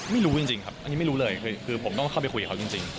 ไม่รู้จริงครับอันนี้ไม่รู้เลยคือผมต้องเข้าไปคุยกับเขาจริง